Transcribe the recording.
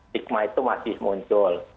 stigma itu masih muncul